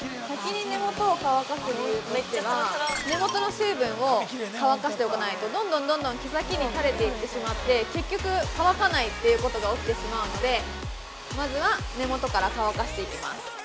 先に根元を乾かす理由としては、根元の水分を乾かしておかないと、どんどん、どんどん毛先に垂れていってしまって、結局乾かないっていうことが起きてしまうので、まずは根元から、乾かしていきます。